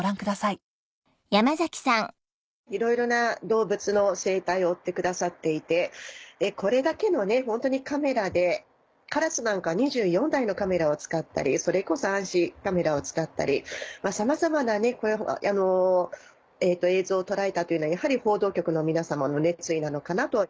いろいろな動物の生態を追ってくださっていてこれだけのカメラでカラスなんか２４台のカメラを使ったりそれこそ暗視カメラを使ったりさまざまな映像を捉えたというのはやはり報道局の皆様の熱意なのかなと。